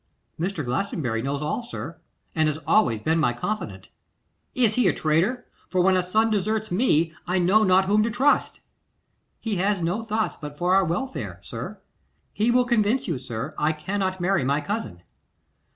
'Mr. Glastonbury knows all, sir, and has always been my confidant.' 'Is he a traitor? For when a son deserts me, I know not whom to trust.' 'He has no thoughts but for our welfare, sir. He will convince you, sir, I cannot marry my cousin.